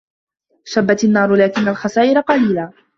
شَبَّتْ النَّارُ لَكِنَّ الْخَسَائِرَ قَلِيلَةٌ.